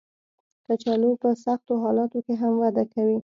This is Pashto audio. کچالو په سختو حالاتو کې هم وده کوي